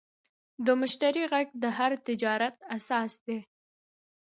د مشتری غږ د هر تجارت اساس دی.